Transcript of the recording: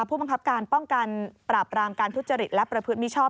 ผู้บังคับการป้องกันปราบรามการทุจริตและประพฤติมิชอบ